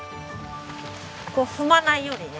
こう踏まないようにね。